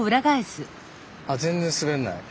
あ全然滑んない。